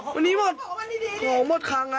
วันนี้ของมดครั้งละ